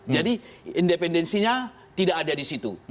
jadi independensinya tidak ada di situ